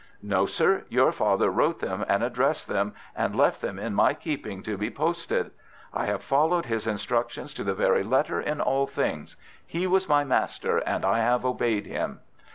"No, sir; your father wrote them and addressed them, and left them in my keeping to be posted. I have followed his instructions to the very letter in all things. He was my master, and I have obeyed him."